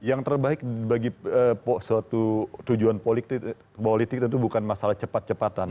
yang terbaik bagi suatu tujuan politik tentu bukan masalah cepat cepatan